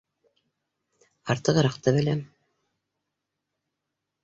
—- Артығыраҡ та беләм